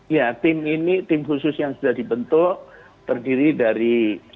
ya tim ini tim khusus yang sudah dibentuk terdiri dari